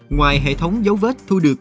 ngoài hệ thống dấu vết thu được